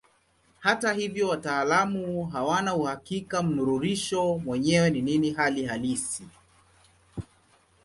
Hata hivyo wataalamu hawana uhakika mnururisho mwenyewe ni nini hali halisi.